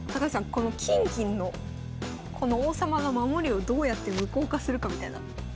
この金銀のこの王様の守りをどうやって無効化するかみたいな。